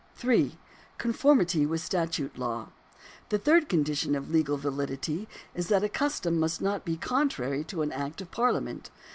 3. Conformity luith statute law. — The third condition of legal validity is that a custom must not be contrary to an act of Parliament.